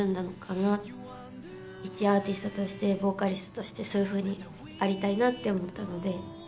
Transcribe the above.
一アーティストとしてボーカリストとしてそういうふうにありたいなって思ったので。